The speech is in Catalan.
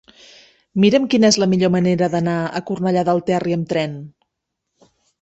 Mira'm quina és la millor manera d'anar a Cornellà del Terri amb tren.